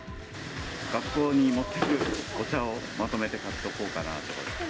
学校に持っていくお茶をまとめて買っておこうかなと。